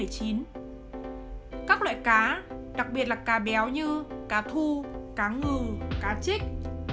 các loại cá đặc biệt là cá béo như cá thu cá ngừ cá trích